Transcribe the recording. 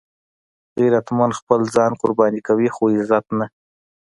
غیرتمند خپل ځان قرباني کوي خو عزت نه